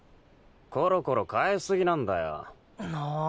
コロコロ変えすぎなんだよ。なぁ。